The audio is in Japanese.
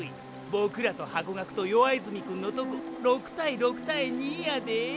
ボクらとハコガクと弱泉くんのとこ６対６対２やで。